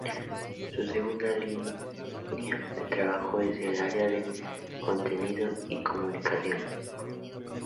Su segunda línea de trabajo es el área de Contenidos y Comunicación.